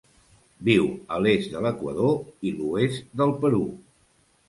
Viu a l'est de l'Equador i l'oest del Perú.